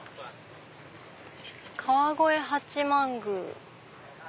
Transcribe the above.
「川越八幡宮」。